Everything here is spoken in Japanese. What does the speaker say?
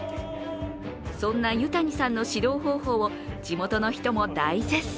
そんな油谷さんの指導方法を地元の人も大絶賛。